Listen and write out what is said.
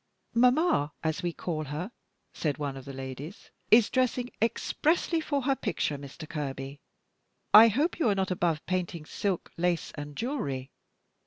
"Mamma, as we call her," said one of the ladies, "is dressing expressly for her picture, Mr. Kerby. I hope you are not above painting silk, lace, and jewelry.